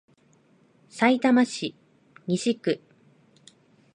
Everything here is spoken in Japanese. さいたま市西区